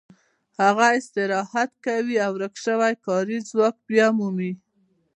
هغه استراحت کوي او ورک شوی کاري ځواک بیا مومي